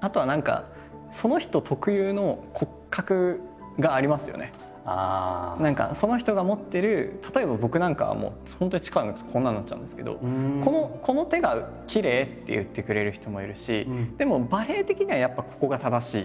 あとは何か何かその人が持ってる例えば僕なんかは本当に力抜くとこんなになっちゃうんですけどこの手がきれいって言ってくれる人もいるしでもバレエ的にはやっぱここが正しい。